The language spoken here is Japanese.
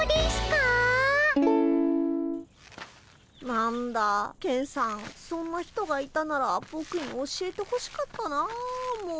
何だケンさんそんな人がいたならボクに教えてほしかったなあもう。